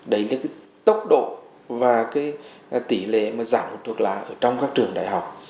đấy là tốc độ và tỉ lệ giảm thuốc lá trong các trường đại học